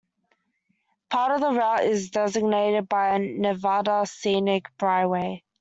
Part of the route is designated as a Nevada Scenic Byway.